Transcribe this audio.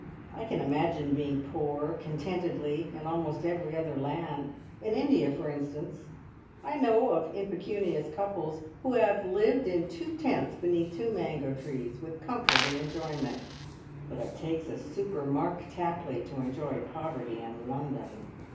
I can imagine being poor contentedly in almost every other land in India, for instance, I know of impecunious couples who have lived in two tents beneath two mango trees with comfort and enjoyment, but it takes a super Mark Tapley to enjoy poverty in London!